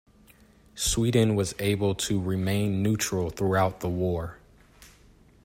Sweden was able to remain neutral throughout the war.